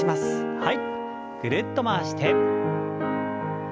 はい。